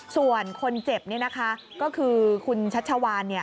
ส่วนคนเจ็บก็คือคุณชัชชาวาน